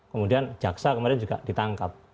kemudian jaksa kemarin juga ditangkap